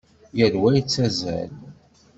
Yal wa yettazzal.